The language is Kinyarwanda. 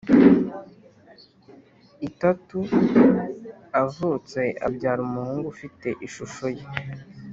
itatu avutse abyara umuhungu ufite ishusho ye